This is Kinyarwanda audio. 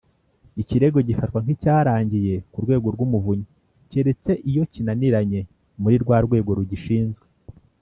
Ikirego gifatwa nk icyarangiye ku Rwego rw Umuvunyi keretse iyo kinaniranye muri rwa rwego rugishinzwe